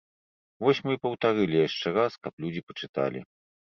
Вось мы і паўтарылі яшчэ раз, каб людзі пачыталі.